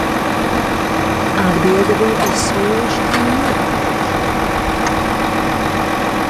Atbilde bija izsmejoša un nievājoša.